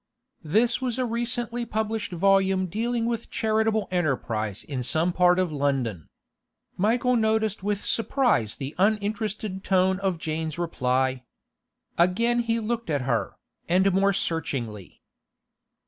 This was a recently published volume dealing with charitable enterprise in some part of London. Michael noticed with surprise the uninterested tone of Jane's reply. Again he looked at her, and more searchingly.